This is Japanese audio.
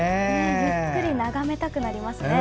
じっくり眺めたくなりますね。